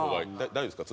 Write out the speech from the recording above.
大丈夫ですか？